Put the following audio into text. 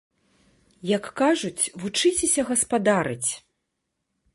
Як кажуць, вучыцеся гаспадарыць!